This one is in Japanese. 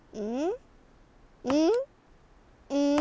うん？